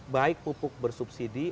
baik pupuk bersubsidi